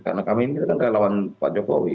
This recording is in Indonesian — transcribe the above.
karena kami ini tidak akan lawan pak jokowi